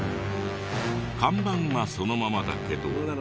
看板はそのままだけど。